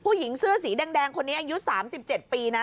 ผู้หญิงเสื้อสีแดงคนนี้อายุ๓๗ปีนะ